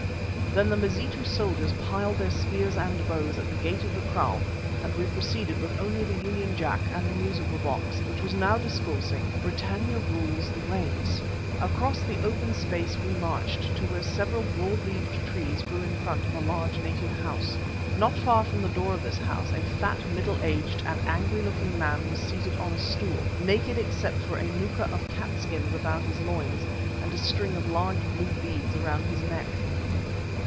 Then the Mazitu soldiers piled their spears and bows at the gate of the kraal and we proceeded with only the Union Jack and the musical box, which was now discoursing "Britannia rules the waves." Across the open space we marched to where several broad leaved trees grew in front of a large native house. Not far from the door of this house a fat, middle aged and angry looking man was seated on a stool, naked except for a moocha of catskins about his loins and a string of large blue beads round his neck.